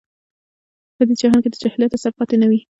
په دې جهان کې د جاهلیت اثر پاتې نه وي.